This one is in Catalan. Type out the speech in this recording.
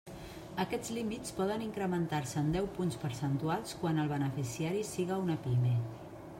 Aquests límits poden incrementar-se en deu punts percentuals quan el beneficiari siga una PIME.